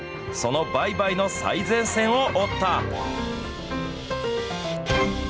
その売買の最前線を追った。